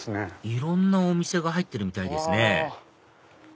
いろんなお店が入ってるみたいですね